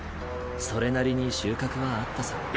それなりに収穫はあったさ。